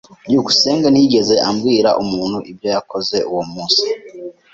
byukusenge ntiyigeze abwira umuntu ibyo yakoze uwo munsi.